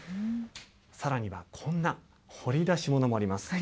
さらにはこんな掘り出し物もあります。